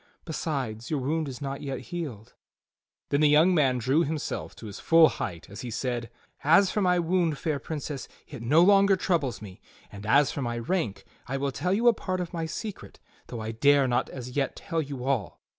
Besides, your wound is not yet healed." Then the young man drew himself to his full height as he said: "As for my wound, fair Princess, it no longer troubles me; and as for my rank, I will tell you a part of my secret though I dare not as yet tell you all.